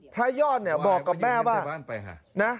พระยอดเนี่ยบอกกับแม่ว่านะ